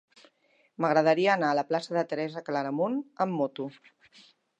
M'agradaria anar a la plaça de Teresa Claramunt amb moto.